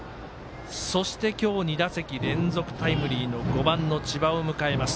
そして、今日２打席連続ヒットの５番の千葉を迎えます。